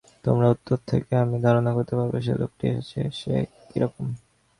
তোমার উত্তর থেকে আমি ধারণা করতে পারব, যে- লোকটি এসেছে সে কী রকম।